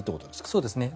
そうですね。